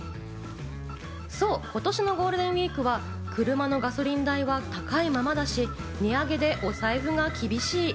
そう、今年のゴールデンウイークは車のガソリン代は高いままだし、値上げで、お財布が厳しい。